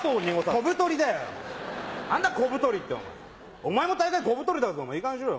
飛ぶ鳥だよ何だ小太りって。お前も大概小太りだぞいいかげんにしろよ。